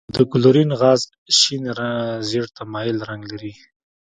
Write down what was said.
د کلورین غاز شین زیړ ته مایل رنګ لري.